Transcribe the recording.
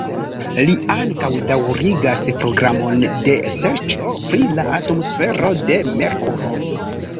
Li ankaŭ daŭrigas programon de serĉo pri la atmosfero de Merkuro.